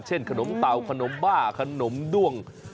เช่นขนมเตาขนมบ้าขนมด้วง